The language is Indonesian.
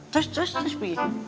terus terus terus terus